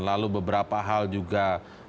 lalu beberapa hal juga